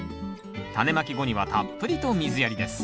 タネまき後にはたっぷりと水やりです